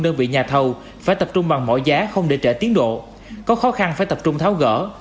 đơn vị nhà thầu phải tập trung bằng mọi giá không để trả tiến độ có khó khăn phải tập trung tháo gỡ